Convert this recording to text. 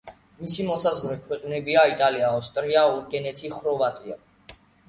მისი მოსაზღვრე ქვეყნებია: იტალია, ავსტრია, უნგრეთი, ხორვატია.